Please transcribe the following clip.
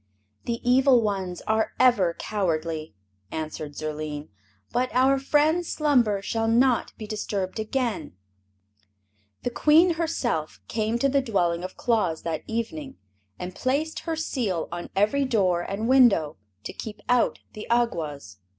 "The evil ones are ever cowardly," answered Zurline, "but our friend's slumber shall not be disturbed again." The Queen herself came to the dwelling of Claus that evening and placed her Seal on every door and window, to keep out the Awgwas.